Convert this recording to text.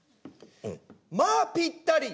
「まあぴったり！